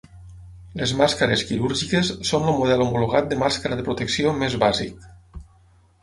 Les màscares quirúrgiques són el model homologat de màscara de protecció més bàsic.